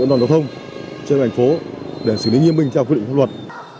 an toàn giao thông trên địa bàn thành phố để xử lý nghiêm minh theo quy định pháp luật